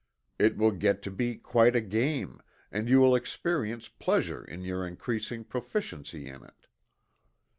It will get to be quite a game, and you will experience pleasure in your increasing proficiency in it.